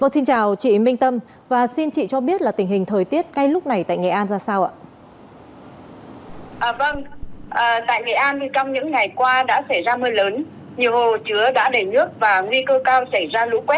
xin chào chị minh tâm và xin chị cho biết là tình hình thời tiết ngay lúc này tại nghệ an ra sao ạ